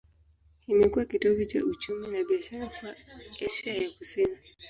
Imekuwa kitovu cha uchumi na biashara kwa Asia ya Kusini.